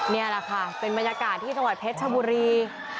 เนี่ยแหละค่ะเป็นบรรยากาศที่สวัสดิ์เพชรชบุรี